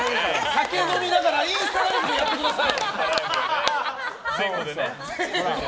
酒飲みながらインスタライブでやってください。